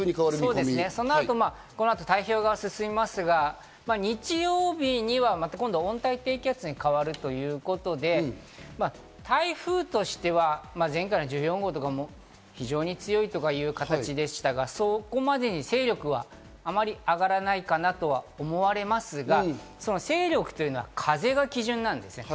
そのあと、太平洋側を進みますが、日曜日には温帯低気圧に変わるということで、台風としては前回の１４号とか非常に強いという形でしたが、そこまでに勢力はあまり上がらないかなとは思われますが、勢力というのは風が基準なんですね。